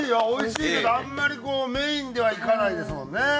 美味しいけどあんまりこうメインではいかないですもんね。